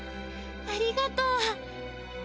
ありがとう。